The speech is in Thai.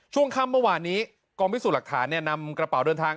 ช่วงค่ำเมื่อวานนี้กองพิสูจน์หลักฐานนำกระเป๋าเดินทาง